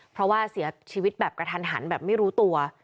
เพราะว่าเสียชีวิตแบบกระทันหันแบบไม่รู้ตัว